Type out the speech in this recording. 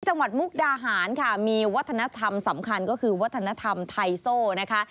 จังหวัดมุกดาหารมีวัฒนธรรมสำคัญก็คือวัฒนธรรมไทโซ่นะคะ